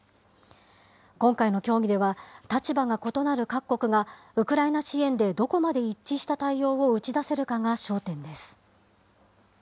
今回の協議では、立場が異なる各国が、ウクライナ支援で、どこまで一致した対応を打ち出せるかが焦点です。